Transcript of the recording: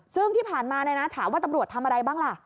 ซึ่งที่ผ่านมาถามว่าตำรวจทำอะไรบ้างล่ะ